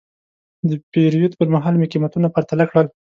د پیرود پر مهال مې قیمتونه پرتله کړل.